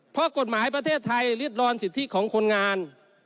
เพราะกฎหมายประเทศไทยริดรอนสิทธิของคนงาน